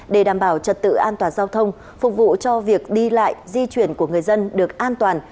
để đảm bảo trật tự an toàn giao thông phục vụ cho việc đi lại di chuyển của người dân được an toàn